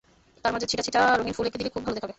তার মাঝে ছিটা ছিটা রঙিন ফুল এঁকে দিলে খুব ভালো দেখাবে।